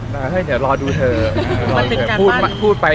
แหละเฮ้ยเดี๋ยวรอดูแหวนเดี๋ยวพูดไป